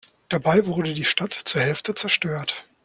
Dabei wurde die Stadt zur Hälfte zerstört.